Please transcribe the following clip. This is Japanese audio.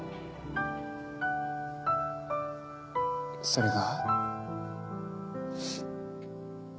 それが。